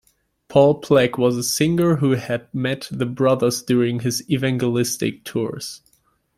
Paul Plack was a singer who had met the brothers during his evangelistic tours.